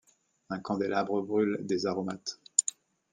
Un candélabre brûle des aromates.